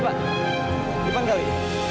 di depan kali